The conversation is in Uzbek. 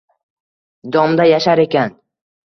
Domda yashar ekan